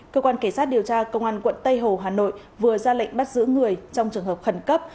cơ quan cảnh sát điều tra công an quận tây hồ hà nội vừa ra lệnh bắt giữ người trong trường hợp khẩn cấp